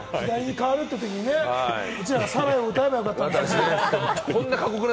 左手に変わるというとき、うちらが『サライ』を歌えばよかった。